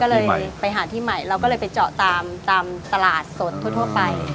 ก็เลยไปหาที่ใหม่เราก็เลยไปเจาะตามตลาดสดทั่วไป